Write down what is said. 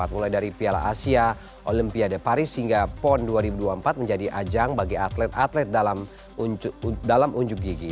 mulai dari piala asia olimpiade paris hingga pon dua ribu dua puluh empat menjadi ajang bagi atlet atlet dalam unjuk gigi